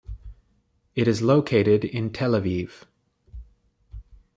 It is located in Tel-Aviv.